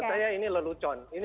buat saya ini lelucon